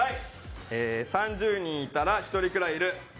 ３０人いたら１人くらいいる。